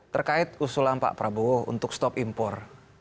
terkait usulan pak prabowo untuk stop impor